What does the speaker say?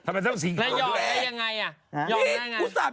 ยอมได้ยังไง